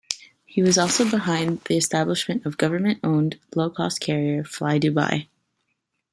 He was also behind the establishment of government-owned low cost carrier FlyDubai.